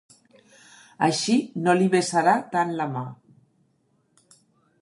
Així no li besarà tant la mà.